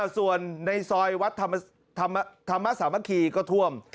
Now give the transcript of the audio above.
ส่วนในซอยวัดธรรมสามัคคีก็ท่วม